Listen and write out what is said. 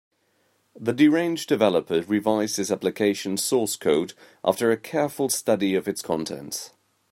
The deranged developer revised his application source code after a careful study of its contents.